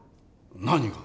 何が？